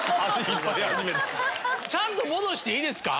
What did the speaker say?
ちゃんと戻していいですか？